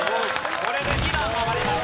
これで２段上がります。